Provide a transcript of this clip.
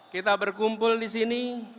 kita berkumpul disini